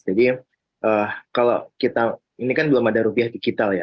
jadi kalau kita ini kan belum ada rupiah digital ya